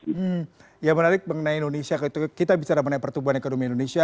hmm yang menarik mengenai indonesia kita bicara mengenai pertumbuhan ekonomi indonesia